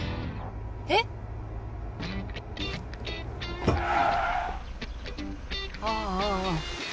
えっ⁉ああ。